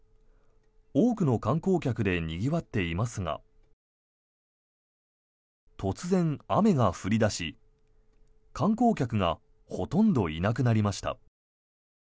多くの観光客でにぎわっていますが突然、雨が降り出し観光客がほとんどいなくなりました。